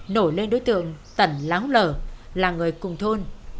nổi lên đối tượng tận láng lờ là người cùng thôn